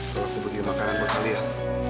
kalau aku beli makanan buat kalian